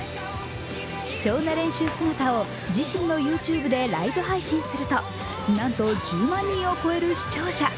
貴重な練習姿を自身のＹｏｕＴｕｂｅでライブ配信するとなんと１０万人を超える視聴者。